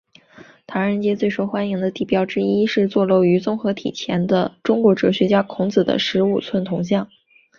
唐人街最受欢迎的地标之一是坐落于综合体前的中国哲学家孔子的十五尺铜像。